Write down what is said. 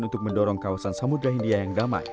untuk mendorong kawasan samudera india yang damai